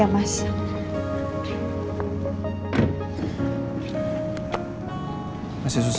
aku minggir mairtyu buraya